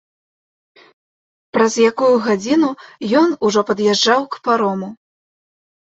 Праз якую гадзіну ён ужо пад'язджаў к парому.